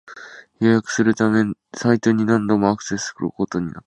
予約するためサイトに何度もアクセスすることになった